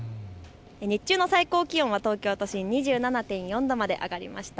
日中の最高気温は東京都心２７．４度まで上がりました。